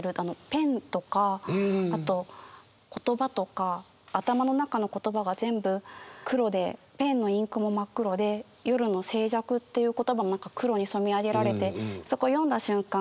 「ペン」とか「言葉」とか頭の中の言葉が全部黒でペンのインクも真っ黒で夜の「静寂」っていう言葉も何か黒に染め上げられてそこ読んだ瞬間